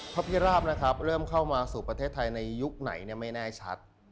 พระพิราบนะครับเริ่มเข้ามาสู่ประเทศไทยในยุคไหนไม่แน่ชัด